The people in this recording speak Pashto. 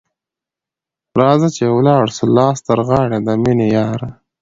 راځه چي ولاړ سو لاس تر غاړه ، د میني یاره